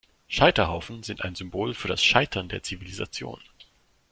Scheiterhaufen sind ein Symbol für das Scheitern der Zivilisation.